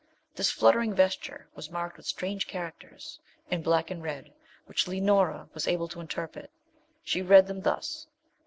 This fluttering vesture was marked with strange characters, in black and red, which Leonora was able to interpret. She read them thus.